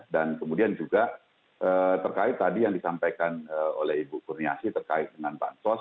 dan kemudian juga terkait tadi yang disampaikan oleh ibu kurniasi terkait dengan pansos